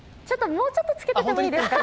もうちょっとつけていてもいいですか？